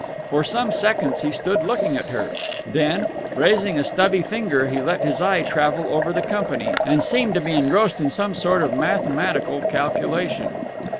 For some seconds he stood looking at her; then, raising a stubby finger, he let his eye travel over the company, and seemed to be engrossed in some sort of mathematical calculation.